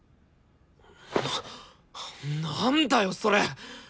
なんだよそれ！